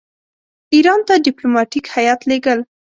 ایران ته ډیپلوماټیک هیات لېږل.